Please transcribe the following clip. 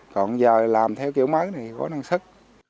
còn giờ làm theo kiểu mấy thì có năng sức